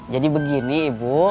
jadi begini ibu